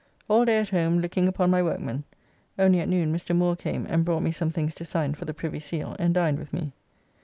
All day at home looking upon my workmen, only at noon Mr. Moore came and brought me some things to sign for the Privy Seal and dined with me.